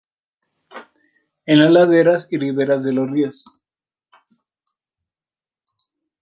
En las laderas y riberas de los ríos.